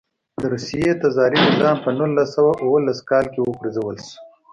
د روسیې تزاري نظام په نولس سوه اوولس کال کې و پرځول شو.